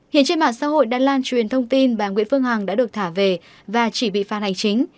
hiện trên mạng xã hội đang lan truyền thông tin bà nguyễn phương hằng đã được thả về và chỉ bị phạt hành chính